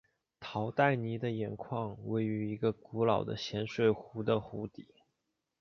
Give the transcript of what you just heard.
陶代尼的盐矿位于一个古老的咸水湖的湖底。